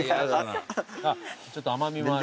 ちょっと甘味もあるし。